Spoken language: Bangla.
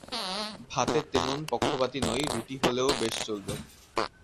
ভাতের তেমন পক্ষপাতী নই, রুটি হলেও বেশ চলবে।